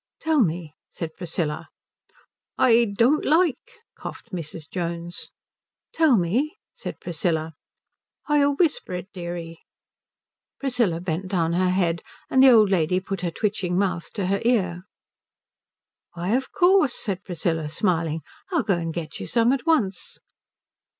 "Tell me," said Priscilla. "I don't like," coughed Mrs. Jones. "Tell me," said Priscilla. "I'll whisper it, deary." Priscilla bent down her head, and the old lady put her twitching mouth to her ear. "Why, of course," said Priscilla smiling, "I'll go and get you some at once."